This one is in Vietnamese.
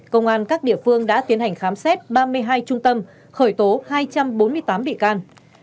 công an các địa phương đã tiến hành khám xét ba mươi hai trung tâm khởi tố hai trăm bốn mươi tám bị can